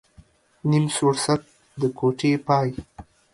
نيم سوړسک ، د کوټې پاى.